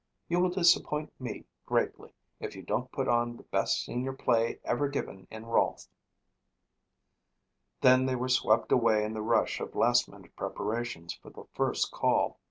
You will disappoint me greatly if you don't put on the best senior play ever given in Rolfe." Then they were swept away in the rush of last minute preparations for the first call.